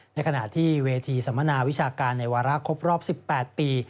ในขณะที่เวทีสัมมนาวิชาการในวาระครบรอบ๑๘ปี